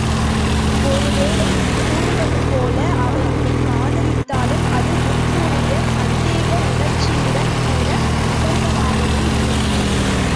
ஒருவேளை நீ கூறுவதுபோல அவள் உன்னைக் காதலித்தாலும் அது முற்கூறிய சந்தேக உணர்ச்சியுடன்கூட நிகழ்வதாகவே இருக்கும்.